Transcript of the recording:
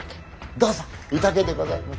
どうぞ宴でございます。